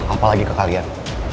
apalagi ke kalian